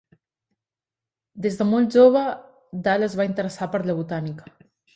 Des de molt jove Dahl es va interessar per la botànica.